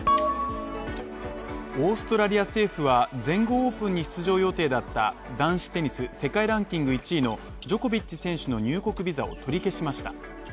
オーストラリア政府は、全豪オープンに出場予定だった男子テニス世界ランキング１位のジョコビッチ選手の入国ビザを取り消しました。